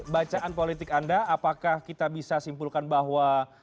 bacaan politik anda apakah kita bisa simpulkan bahwa